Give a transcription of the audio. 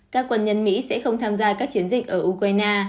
các quân nhân mỹ sẽ không tham gia các chiến dịch ở ukraine